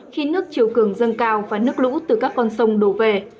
khi nước chiều cường dâng cao và nước lũ từ các con sông đổ về